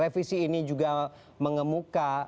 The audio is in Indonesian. revisi ini juga mengemuka